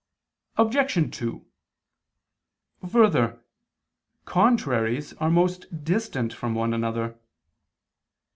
Obj. 2: Further, contraries are most distant from one another.